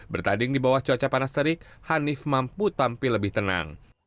bertanding di bawah cuaca panas terik hanif mampu tampil lebih tenang